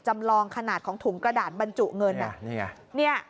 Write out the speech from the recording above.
จำลองขนาดของถุงกระดาษบรรจุเงิน